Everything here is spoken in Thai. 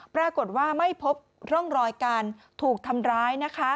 ปรากฏว่าไม่พบร่องรอยการถูกทำร้ายนะคะ